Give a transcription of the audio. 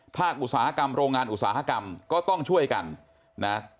อุตสาหกรรมโรงงานอุตสาหกรรมก็ต้องช่วยกันนะ